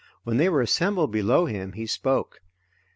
When they were assembled below him he spoke.